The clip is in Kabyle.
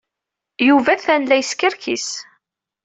Yuba atan la yeskerkis.